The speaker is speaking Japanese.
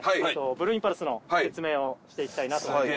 ブルーインパルスの説明をしていきたいなと思ってます。